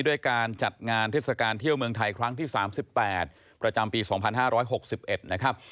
ด้วยการจัดงานเทศกาลเที่ยวเมืองไทยครั้งที่๓๘ประจำปี๒๕๖๑นะครับ